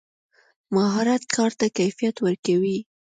مهارت کار ته کیفیت ورکوي.